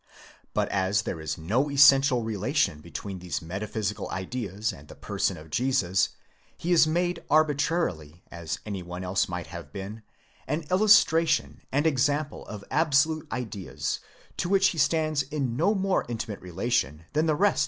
But as there is no essential relation between these meta physical ideas and the person of Jesus, he is made arbitrarily, as any one else might have been, an illustration aud example of absolute ideas to which he stands in no more intimate relation than the rest INTRODUCTION.